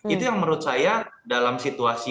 itu yang menurut saya dalam situasi